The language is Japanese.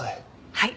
はい。